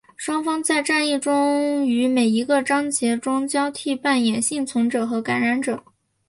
双方在战役中于每一个章节中交替扮演幸存者和感染者。